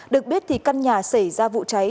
được biết thì căn nhà xảy ra vụ cháy